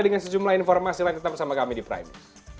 dengan sejumlah informasi lain tetap bersama kami di prime